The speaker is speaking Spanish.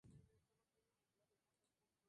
Diputación de Segovia